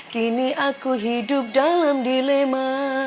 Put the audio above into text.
kini aku hidup dalam dilema